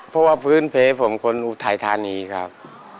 เพราะว่าพื้นเพผมคนอุทัยธานีครับ